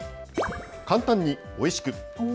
簡単においしく。